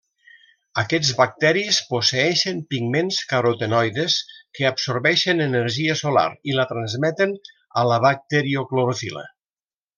Aquests bacteris posseeixen pigments carotenoides que absorbeixen energia solar i la transmeten a la bacterioclorofil·la.